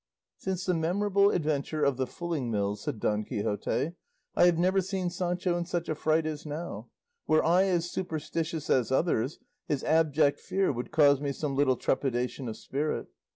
"Since the memorable adventure of the fulling mills," said Don Quixote, "I have never seen Sancho in such a fright as now; were I as superstitious as others his abject fear would cause me some little trepidation of spirit.